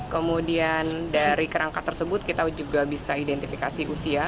kemudian dari kerangka tersebut kita juga bisa identifikasi usia